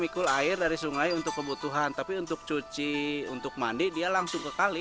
mikul air dari sungai untuk kebutuhan tapi untuk cuci untuk mandi dia langsung kekali